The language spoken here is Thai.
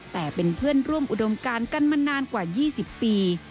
แต่เป็นเพื่อนร่วมอุดมการกันมานานกว่า๒๐ปี